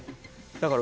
だから。